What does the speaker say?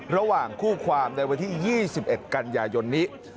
ระหว่างคู่ความในวันที่๒๑กันยายนนี้